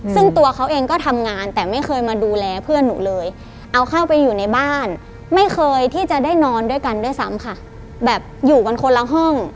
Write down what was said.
ซึ่งตัวเขาเองก็ทำงานแต่ไม่เคยมาดูแลเพื่อนหนูเลยเอาเข้าไปอยู่ในบ้านไม่เคยที่จะได้นอนด้วยกันด้วยซ้ำค่ะแบบอยู่กันคนละห้อง